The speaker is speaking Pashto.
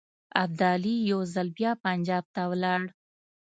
ابدالي یو ځل بیا پنجاب ته ولاړ.